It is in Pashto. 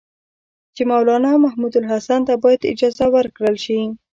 چې مولنا محمودالحسن ته باید اجازه ورکړل شي.